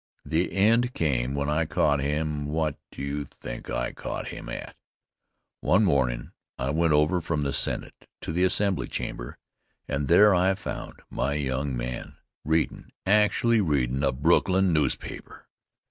The end came when I caught him what do you think I caught him at? One mornin' I went over from the Senate to the Assembly chamber, and there I found my young man readin' actually readin' a Brooklyn newspaper!